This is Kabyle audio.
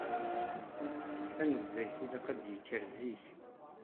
Tanezzayt ilaq ad d-yekker zik.